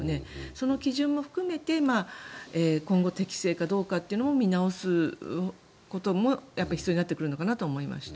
その基準も含めて今後、適正かどうかというのも見直すことも必要になってくるのかなと思いました。